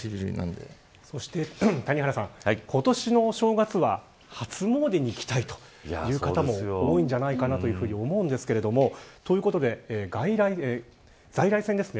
谷原さん、今年のお正月は初詣に行きたいという方も多いんじゃないかと思いますがということで在来線です。